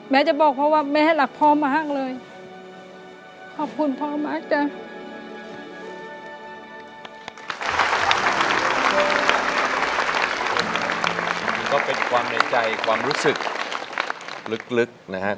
จะบอกพ่อว่าแม่ให้รักพ่อมาห้างเลยขอบคุณพ่อมากจ้ะ